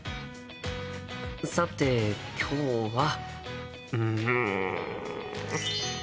さて今日はうん。